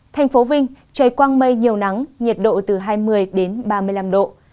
thành phố vinh trời quang mây nhiều nắng nhiệt độ từ hai mươi đến ba mươi năm độ